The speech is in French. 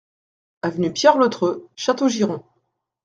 Avenue Pierre Le Treut, Châteaugiron